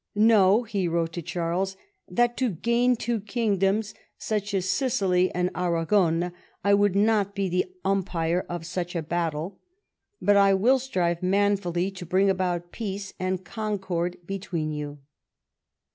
" Know," he Avrote to Charles, "that to gain two kingdoms such as Sicily and Aragon I would not be the umpire of such a battle ; but I will strive manfully to bring about peace and concord between you."